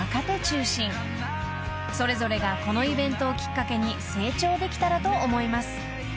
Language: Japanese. ［それぞれがこのイベントをきっかけに成長できたらと思います］